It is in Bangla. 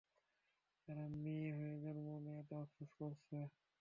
তারা মেয়ে হয়ে জন্ম নেয়াতে আফসোস করছে।